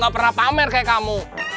gak pernah pamer kayak kamu